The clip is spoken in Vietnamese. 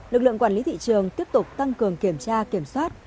lực lượng quản lý thị trường tiếp tục tăng cường kiểm tra kiểm soát